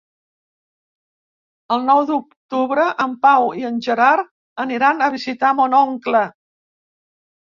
El nou d'octubre en Pau i en Gerard aniran a visitar mon oncle.